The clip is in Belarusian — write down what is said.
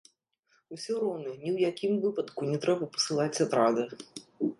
Усё роўна ні ў якім выпадку не трэба пасылаць атрада.